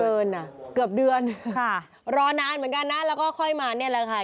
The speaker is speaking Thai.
เดินอ่ะเกือบเดือนค่ะรอนานเหมือนกันนะแล้วก็ค่อยมาเนี่ยแหละค่ะ